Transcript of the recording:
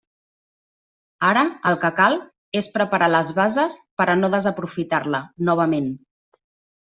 Ara, el que cal, és preparar les bases per a no desaprofitar-la, novament.